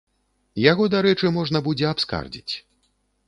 Яго, дарэчы, можна будзе абскардзіць.